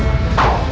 untuk mencakup kromio